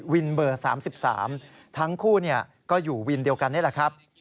เบอร์๓๓ทั้งคู่ก็อยู่วินเดียวกันนี่แหละครับ